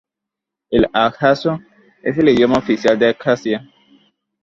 El abjaso es el idioma oficial en Abjasia.